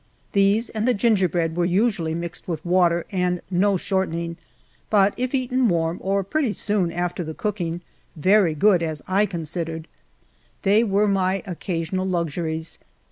These and the gingerbread were usually mixed with water, and no shortening, but if eaten warm, or pretty soon after the cook ing, very good, as I considered. They were my occasional luxuries.